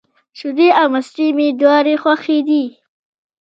شیدې او مستې مي دواړي خوښي دي.